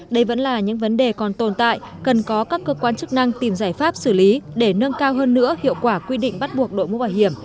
đây vẫn là những vấn đề còn tồn tại cần có các cơ quan chức năng tìm giải pháp xử lý để nâng cao hơn nữa hiệu quả quy định bắt buộc đội mũ bảo hiểm